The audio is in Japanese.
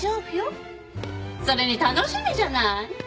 それに楽しみじゃない。